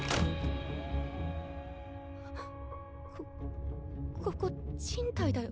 はっこここ賃貸だよ。